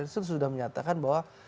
sudah menyatakan bahwa